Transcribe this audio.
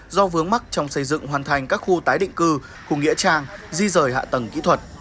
do vướng mắc trong xây dựng hoàn thành các khu tái định cư khu nghĩa trang di rời hạ tầng kỹ thuật